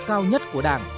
cao nhất của đảng